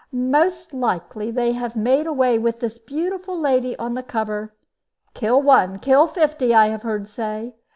Most likely they have made away with this beautiful lady on the cover. Kill one, kill fifty, I have heard say.